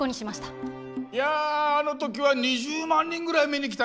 いやあの時は２０万人ぐらい見に来たからね。